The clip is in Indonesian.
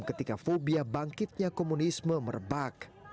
ketika fobia bangkitnya komunisme merebak